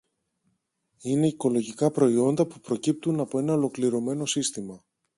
Είναι οικολογικά προϊόντα που προκύπτουν από ένα ολοκληρωμένο σύστημα